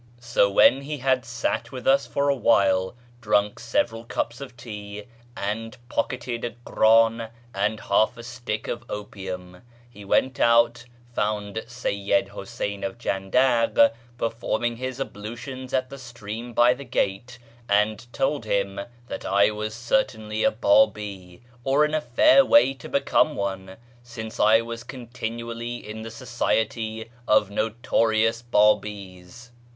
So when he had sat with us for a while, drunk several cups of tea, and pocketed a krdn and half a stick of opium, he went out, found Seyyid Iluseyn of Jandak per forming his ablutions at the stream by the gate, and told him that I was certainly a Babi, or in a fair way to become one, since I was continually in the society of notorious Babis.